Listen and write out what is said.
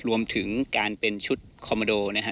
รวมถึงการเป็นชุดคอมโมโดนะฮะ